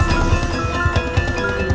saja tak membutuhkan duit